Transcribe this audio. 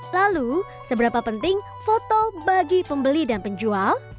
lalu seberapa penting foto bagi pembeli dan penjual